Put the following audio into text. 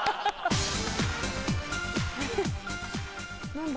何だ？